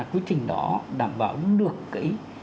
cái quy trình đó đảm bảo được cái